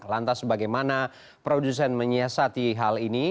lantas bagaimana produsen menyiasati hal ini